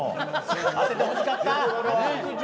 当ててほしかった。